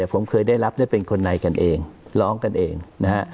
ผมเคยได้รับเป็นคนในกันเองร้องกันเองนะฮะ